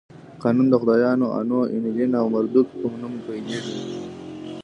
قانون د خدایانو آنو، اینلیل او مردوک په نوم پیلېږي.